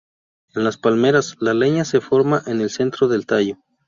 En las palmeras, la leña se forma en el centro del tallo.